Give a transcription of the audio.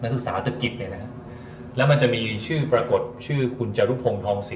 ศึกษาตกิจเนี่ยนะฮะแล้วมันจะมีชื่อปรากฏชื่อคุณจรุพงศ์ทองศรี